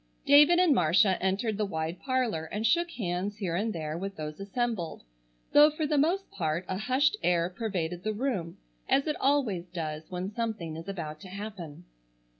David and Marcia entered the wide parlor and shook hands here and there with those assembled, though for the most part a hushed air pervaded the room, as it always does when something is about to happen.